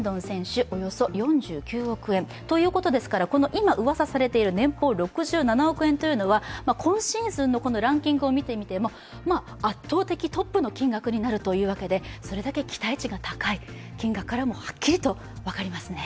今、うわさされている年俸６７億円というのは今シーズンのこのランキングを見てみても圧倒的、トップの金額になるというわけでそれだけ期待値が高い、金額からもはっきり分かりますね。